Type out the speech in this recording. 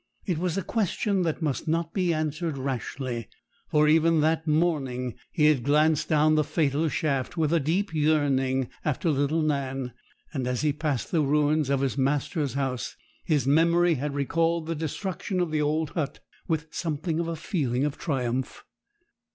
It was a question that must not be answered rashly, for even that morning he had glanced down the fatal shaft with a deep yearning after little Nan; and as he passed the ruins of his master's house, his memory had recalled the destruction of the old hut with something of a feeling of triumph.